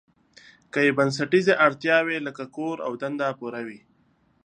که یې بنسټیزې اړتیاوې لکه کور او دنده پوره وي.